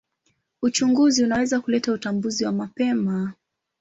Uchunguzi unaweza kuleta utambuzi wa mapema.